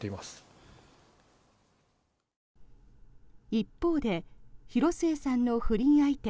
一方で広末さんの不倫相手